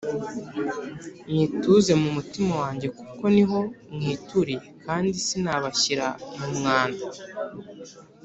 nyituze mu mutima wanjye kuko niho mwituriye kandi sinabashyira mu mwanda!